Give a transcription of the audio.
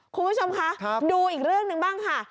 คุณผู้ชมคะดูอีกเรื่องหนึ่งบ้างค่ะ